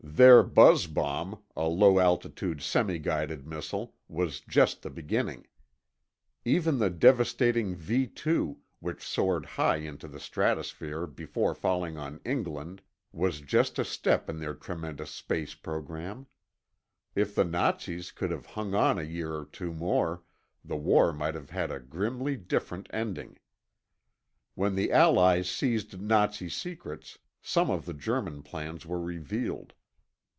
Their buzz bomb, a low altitude semi guided missile, was just the beginning. Even the devastating V 2, which soared high into the stratosphere before falling on England, was just a step in their tremendous space program. If the Nazis could have hung on a year or two more, the war might have had a grimly different ending. When the Allies seized Nazi secrets, some of the German plans were revealed.